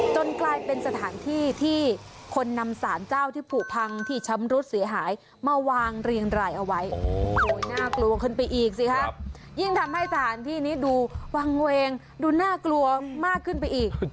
จนกลายเป็นสถานที่ที่คนนำศาลเจ้าที่ผูกพังที่ช้ำรุดเสียหายมาวางเรียงไหลเอาไว้